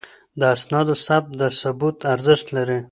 د اسنادو ثبت د ثبوت ارزښت لري.